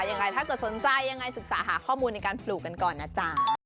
ยังไงถ้าเกิดสนใจยังไงศึกษาหาข้อมูลในการปลูกกันก่อนนะจ๊ะ